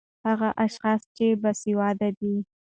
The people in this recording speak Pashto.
ـ هغه اشخاص چې باسېواده دي